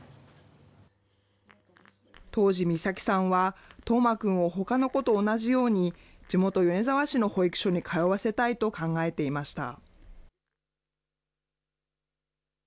当時、美咲さんは、叶真くんをほかの子と同じように、地元、米沢市の保育所に通わせたいと考えていました。